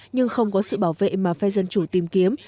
nhưng không có sự bảo vệ mà phe dân chủ tìm kiếm